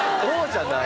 じゃない。